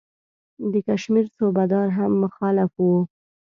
د کشمیر صوبه دار هم مخالف وو.